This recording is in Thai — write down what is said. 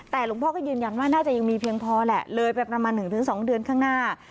แต่หลวงพ่อก็ยืนยันว่าน่าจะยังมีเพียงพอแหละเลยไปประมาณ๑๒เดือนข้างหน้า